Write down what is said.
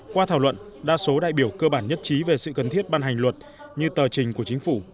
qua thảo luận đa số đại biểu cơ bản nhất trí về sự cần thiết ban hành luật như tờ trình của chính phủ